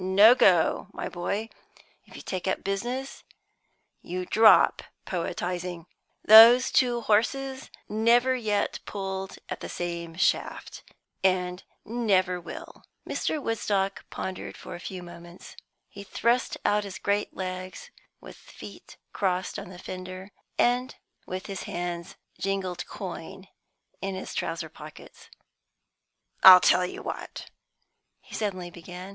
No go, my boy. If you take up business, you drop poetising. Those two horses never yet pulled at the same shaft, and never will." Mr. Woodstock pondered for a few moments. He thrust out his great legs with feet crossed on the fender, and with his hands jingled coin in his trouser pockets. "I tell you what," he suddenly began.